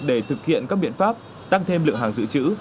để thực hiện các biện pháp tăng thêm lượng hàng dự trữ